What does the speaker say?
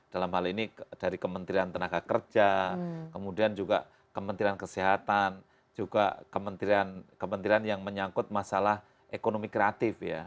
dalam hal ini dari kementerian tenaga kerja kemudian juga kementerian kesehatan juga kementerian kementerian yang menyangkut masalah ekonomi kreatif ya